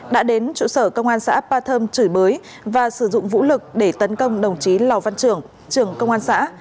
đã đến chủ sở công an xã appa thơm chửi bới và sử dụng vũ lực để tấn công đồng chí lào văn trưởng trưởng công an xã